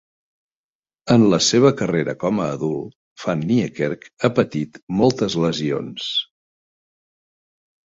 En la seva carrera com a adult, Van Niekerk ha patit moltes lesions.